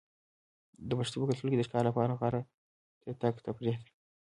د پښتنو په کلتور کې د ښکار لپاره غره ته تګ تفریح ده.